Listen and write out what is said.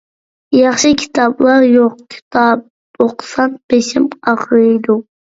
ياخشى كىتابلار يوق، كىتاب ئوقۇسام بېشىم ئاغرىيدۇ.